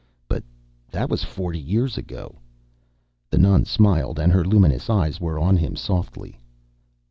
But that was forty years ago." The nun smiled, and her luminous eyes were on him softly.